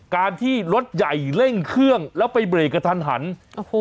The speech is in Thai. การที่รถใหญ่เร่งเครื่องแล้วไปเบรกกระทันหันโอ้โห